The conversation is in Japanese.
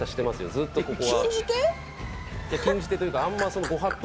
ずっとここは。